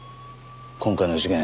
今回の事件